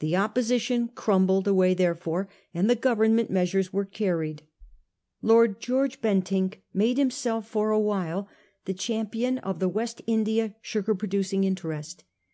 The opposition crumbled away therefore, and the Government measures were carried. Lord George Bentinck made himself for a while the champion of the West India sugar pro ducing interest.